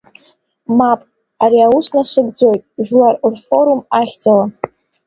Мап, ари аус насыгӡоит Жәлар рфорум ахьӡала!